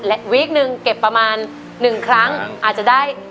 และวีคนึงเก็บประมาณ๑ครั้งอาจจะได้